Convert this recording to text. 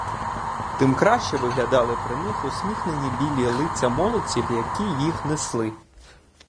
Тим краще виглядали при них усміхнені білі лиця молодців, які їх несли.